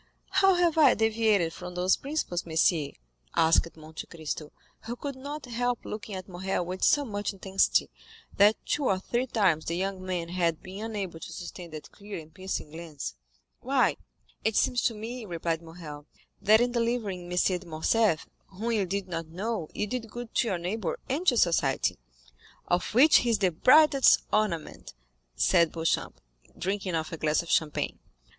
"How have I deviated from those principles, monsieur?" asked Monte Cristo, who could not help looking at Morrel with so much intensity, that two or three times the young man had been unable to sustain that clear and piercing glance. "Why, it seems to me," replied Morrel, "that in delivering M. de Morcerf, whom you did not know, you did good to your neighbor and to society." "Of which he is the brightest ornament," said Beauchamp, drinking off a glass of champagne.